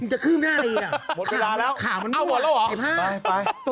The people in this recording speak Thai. มันจะขึ้มหน้าเรียข่าวมันมั่วไอ้ภาพ